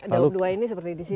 daup dua ini seperti di sini